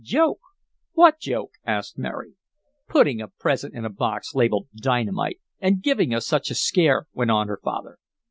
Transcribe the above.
"Joke! What joke?" asked Mary. "Putting a present in a box labeled Dynamite, and giving us such a scare," went on her father.